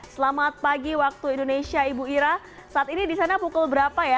selamat pagi waktu indonesia ibu ira saat ini di sana pukul berapa ya